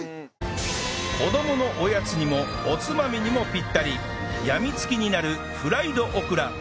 子どものおやつにもおつまみにもぴったりやみつきになるフライドオクラ